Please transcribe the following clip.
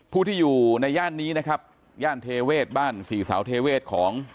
ผู้ที่อยู่ในย่านนี้นะครับย่านเทเวศบ้านสี่เสาเทเวศของ